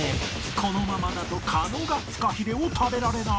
このままだと狩野がフカヒレを食べられない